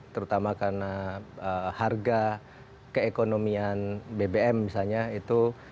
terutama karena harga keekonomian bbm misalnya itu